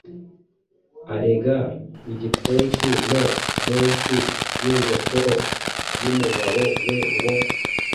arega igipfunsi no munsi y’ingoto y’umugabo we ngo: